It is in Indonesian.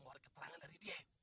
ngeluarin keterangan dari dia